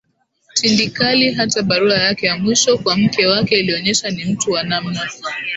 tindikali hata barua yake ya mwisho kwa mke wake ilionyesha ni mtu wa namna